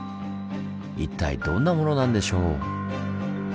一体どんなものなんでしょう？